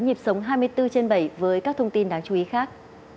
nhịp sống hai mươi bốn trên bảy với các thông tin đáng chú ý khác